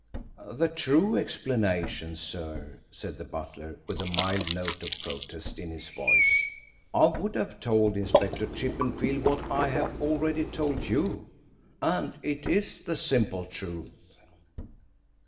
"The true explanation, sir," said the butler, with a mild note of protest in his voice. "I would have told Inspector Chippenfield what I have already told you. And it is the simple truth."